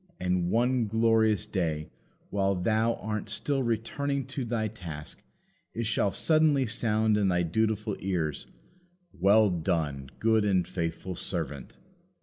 And, one glorious day, while thou art still returning to thy task, it shall suddenly sound in thy dutiful ears: "Well done! good and faithful servant!"